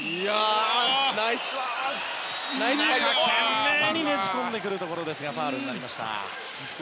懸命にねじ込んでくるところですがファウルになりました。